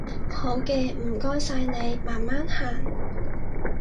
好嘅，唔該晒你，慢慢行